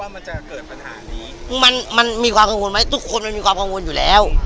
มันจะเกิดปัญหานี้มันมันมีความกังวลไหมทุกคนมันมีความกังวลอยู่แล้ว